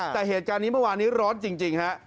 แต่เหตุการณ์นี้เมื่อวานนี้ร้อนจริงฮะ